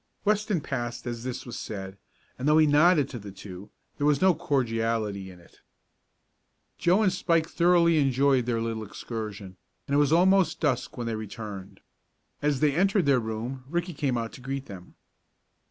Weston passed as this was said, and though he nodded to the two, there was no cordiality in it. Joe and Spike thoroughly enjoyed their little excursion, and it was almost dusk when they returned. As they entered their room, Ricky came out to greet them.